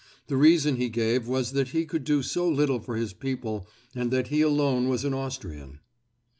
The reason he gave was that he could do so little for his people and that he alone was an Austrian.